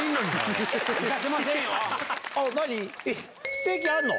ステーキあんの？